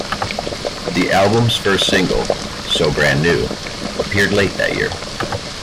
The album's first single, "So Brand New", appeared late that year.